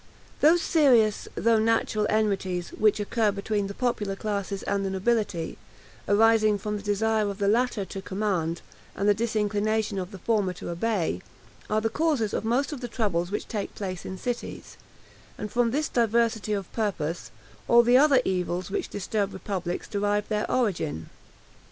Those serious, though natural enmities, which occur between the popular classes and the nobility, arising from the desire of the latter to command, and the disinclination of the former to obey, are the causes of most of the troubles which take place in cities; and from this diversity of purpose, all the other evils which disturb republics derive their origin.